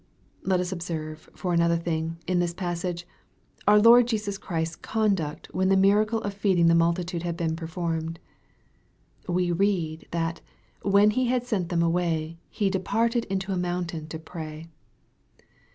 Let us observe, for another thing, in this passage, our Lord Jesus Christ's conduct, when the miracle of feeding the multitude had been performed. We read, that " when He had sent them away, He departed into a mountain to pray."